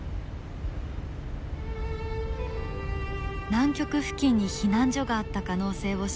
南極付近に避難所があった可能性を示す証拠。